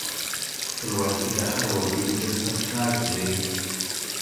خپلواکي د هر وګړي د سر تاج دی.